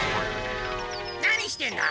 何してんだ？